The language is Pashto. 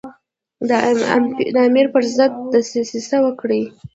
د امیر پر ضد دسیسه وکړي.